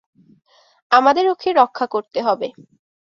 আমাদের ওকে রক্ষা করতে হবে।